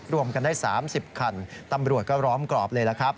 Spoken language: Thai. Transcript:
รวมกันได้๓๐คันตำรวจก็ล้อมกรอบเลยล่ะครับ